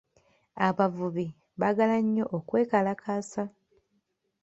Abavubi baagala nnyo okwekalakaasa.